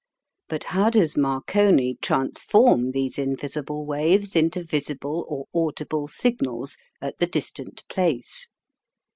But how does Marconi transform these invisible waves into visible or audible signals at the distant place?